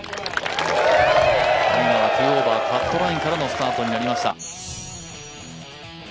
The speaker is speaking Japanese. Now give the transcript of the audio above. ２オーバー、カットラインからのスタートになりました。